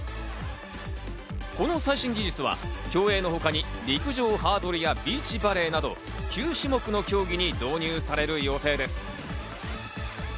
この最新技術は競泳のほかに陸上・ハードルやビーチバレーなど９種目の競技に導入される予定です。